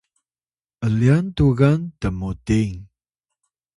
’lyan tugan tmuting